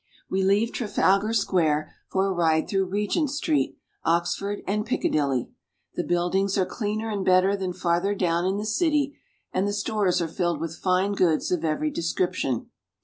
' We leave Trafalgar Square for a ride through Regent Street, Ox ford, and Piccadilly. The build ings are cleaner and better than farther down in the city, and the stores are filled with fine goods of every description.